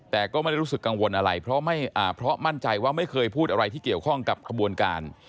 แต่ก็ไม่ได้รู้สึกกังวลอะไรเพราะมั่นใจว่าไม่เคยพูดอะไรที่เกี่ยวข้องกับขบวนการ